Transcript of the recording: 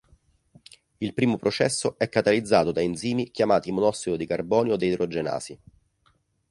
Il primo processo è catalizzato da enzimi chiamati monossido di carbonio deidrogenasi.